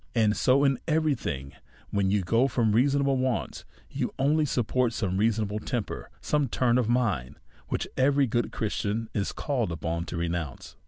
And so in every thing, when you go from reasonable \vants^ you only support some unreason able temper, some turn of mind which every good Christian is called upon to renounce.